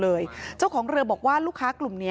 แต่คุณผู้ชมค่ะตำรวจก็ไม่ได้จบแค่ผู้หญิงสองคนนี้